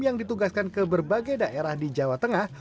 yang ditugaskan ke berbagai daerah di jawa tengah